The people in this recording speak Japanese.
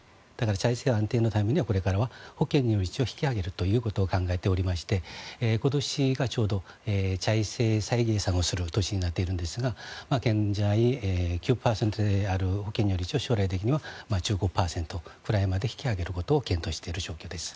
財政安定のためにはこれからは保険料を引き上げることを考えておりまして今年がちょうど財政を再建する年になっているんですが現在、９％である保険料率を将来的には１５％ぐらいまで引き上げることを検討している状況です。